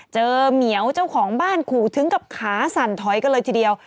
เหมียวเจ้าของบ้านขู่ถึงกับขาสั่นถอยกันเลยทีเดียว